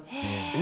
え。